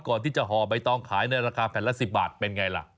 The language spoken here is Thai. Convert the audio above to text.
ก่อนที่จะห่อใบตองขายในราคาแผ่นละ๑๐บาทเป็นไงล่ะ